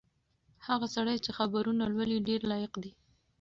هغه سړی چې خبرونه لولي ډېر لایق دی.